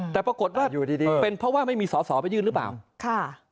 แต่ปรากฏว่าเป็นเพราะว่าไม่มีสอสอไปยื่นหรือเปล่า